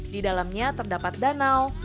di dalamnya terdapat danau